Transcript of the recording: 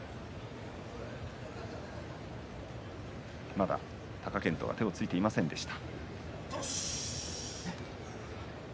まだ貴健斗は手をついていませんでした。